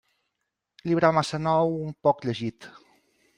Llibre massa nou, poc llegit.